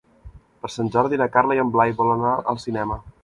Per Sant Jordi na Carla i en Blai volen anar al cinema.